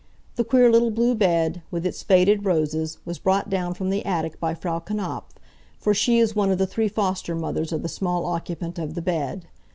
The queer little blue bed, with its faded roses, was brought down from the attic by Frau Knapf, for she is one of the three foster mothers of the small occupant of the bed.